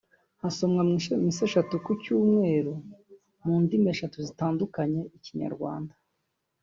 hasomwa misa eshatu ku cyumweru mu ndimi eshatu zitandukanye (Ikinyarwanda